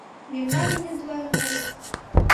Мемнан имньым туарынешт!